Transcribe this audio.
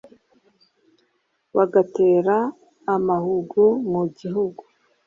Bagatera amahugu mu gihugu